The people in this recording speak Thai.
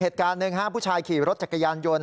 เหตุการณ์หนึ่งผู้ชายขี่รถจักรยานยนต์